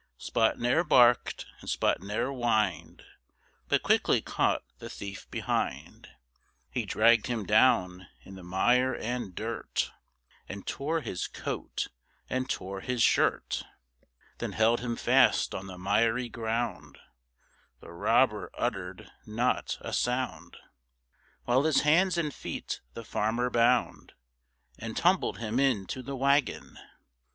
Spot ne'er barked and Spot ne'er whined But quickly caught the thief behind; He dragged him down in the mire and dirt, And tore his coat and tore his shirt, Then held him fast on the miry ground; The robber uttered not a sound, While his hands and feet the farmer bound, And tumbled him into the wagon.